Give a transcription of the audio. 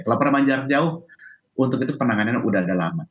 kalau penerbangan jarak jauh untuk itu penanganan sudah ada lama